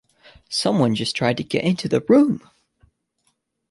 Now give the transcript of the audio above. Some one just tried to get into the room!